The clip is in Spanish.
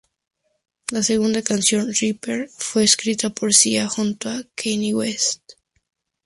La segunda canción "Reaper", fue escrita por Sia junto con Kanye West.